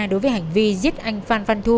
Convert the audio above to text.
đối với hành vi giết anh phan văn thu